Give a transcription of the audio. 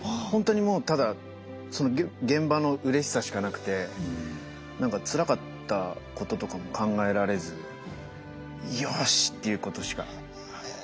ほんとにもうただ現場のうれしさしかなくて何かつらかったこととかも考えられずよしっていうことしか。